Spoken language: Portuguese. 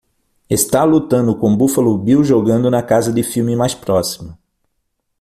Está lutando com Buffalo Bill jogando na casa de filme mais próxima